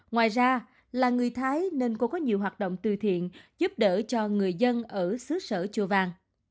ngoài ra là người thái nên cô có nhiều hoạt động từ thiện giúp đỡ cho người dân ở xứ sở chùa vàng